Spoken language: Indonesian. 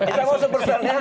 kita mau superstarnya